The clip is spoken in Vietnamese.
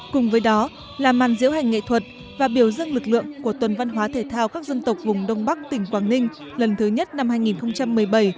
cùng với đó là màn diễu hành nghệ thuật và biểu dương lực lượng của tuần văn hóa thể thao các dân tộc vùng đông bắc tỉnh quảng ninh lần thứ nhất năm hai nghìn một mươi bảy